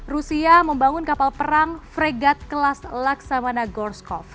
rusia membangun kapal perang fregat kelas laksamana gorscov